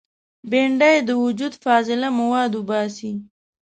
بېنډۍ د وجود فاضله مواد وباسي